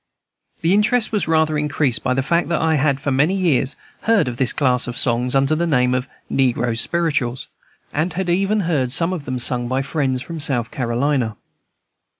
This interest was rather increased by the fact that I had for many years heard of this class of songs under the name of "Negro Spirituals," and had even heard some of them sung by friends from South Carolina.